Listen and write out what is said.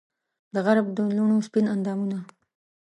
دغرب د لوڼو سپین اندامونه